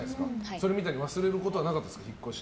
それみたいに忘れることはなかったですか？